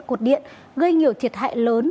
cột điện gây nhiều thiệt hại lớn